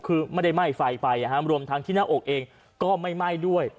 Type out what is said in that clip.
คือไม่ได้ไหม้ไฟไปรวมทั้งที่หน้าอกเองก็ไม่ไหม้ด้วย